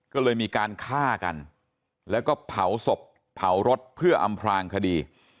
ก็เลยมีการฆ่ากันแล้วก็เผาศพเผารถเพื่ออำพลางคดี